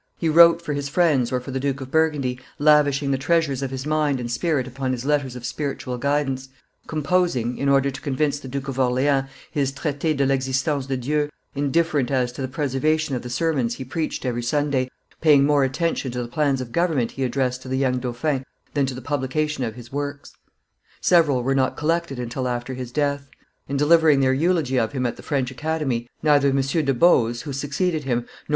He wrote for his friends or for the Duke of Burgundy, lavishing the treasures of his mind and spirit upon his letters of spiritual guidance, composing, in order to convince the Duke of Orleans, his Traite de l'Existence de Dieu, indifferent as to the preservation of the sermons he preached every Sunday, paying more attention to the plans of government he addressed to the young dauphin than to the publication of his works. Several were not collected until after his death. In delivering their eulogy of him at the French Academy, neither M. de Boze, who succeeded him, nor M.